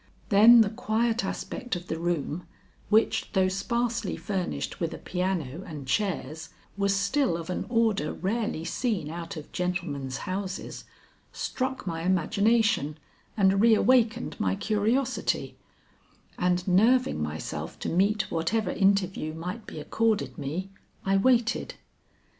Then the quiet aspect of the room, which though sparsely furnished with a piano and chairs was still of an order rarely seen out of gentlemen's houses, struck my imagination and reawakened my curiosity, and nerving myself to meet whatever interview might be accorded me, I waited.